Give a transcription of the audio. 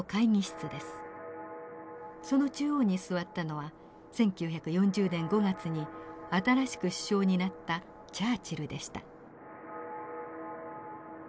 その中央に座ったのは１９４０年５月に新しく首相になったチャーチルでした。